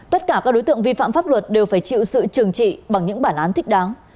tất cả các đối tượng vi phạm pháp luật đều phải chịu sự trừng trị bằng những bản án thích đáng